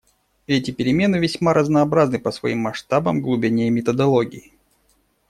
Эти перемены весьма разнообразны по своим масштабам, глубине и методологии.